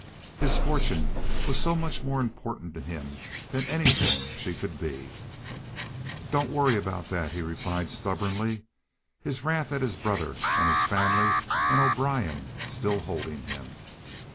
His fortune was so much more important to him than anything she could be. "Don't worry about that," he replied stubbornly, his wrath at his brother, and his family, and O'Brien still holding him.